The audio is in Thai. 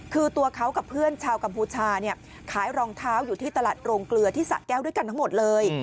คือตัวเขากับเพื่อนชาวกัมพูชาเนี่ยขายรองเท้าอยู่ที่ตลาดโรงเกลือที่สะแก้วด้วยกันทั้งหมดเลย